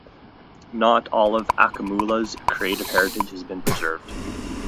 Not all of Akumulla’s creative heritage has been preserved.